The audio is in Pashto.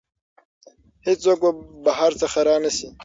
هیڅوک به بهر څخه را نه شي.